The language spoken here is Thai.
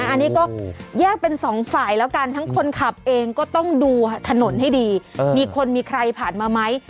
อันนี้ก็แยกเป็นสองฝ่ายแล้วกันทั้งคนขับเองก็ต้องดูถนนให้ดีมีคนมีใครผ่านมาไหม